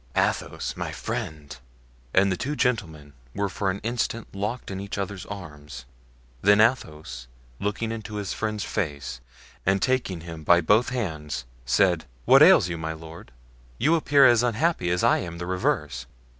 "Athos, my friend!" And the two gentlemen were for an instant locked in each other's arms; then Athos, looking into his friend's face and taking him by both hands, said: "What ails you, my lord? you appear as unhappy as I am the reverse."